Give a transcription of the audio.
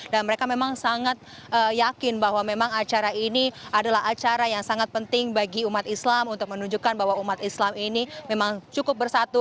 dan mereka memang sangat yakin bahwa memang acara ini adalah acara yang sangat penting bagi umat islam untuk menunjukkan bahwa umat islam ini memang cukup bersatu